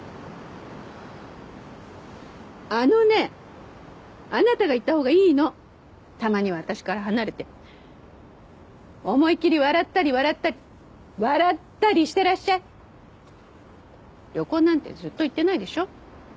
あのねあなたが行ったほうがいいのたまには私から離れて思いきり笑ったり笑ったり笑ったりしてらっしゃい旅行なんてずっと行ってないでしょ？